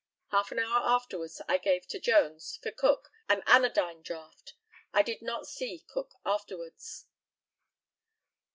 Half an hour afterwards I gave to Jones, for Cook, an anodyne draught. I did not see Cook afterwards.